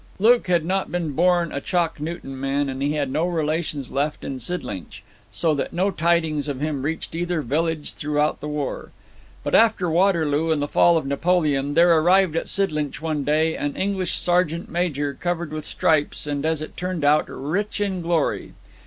Luke had not been born a Chalk Newton man, and he had no relations left in Sidlinch, so that no tidings of him reached either village throughout the war. But after Waterloo and the fall of Napoleon there arrived at Sidlinch one day an English sergeant major covered with stripes and, as it turned out, rich in glory.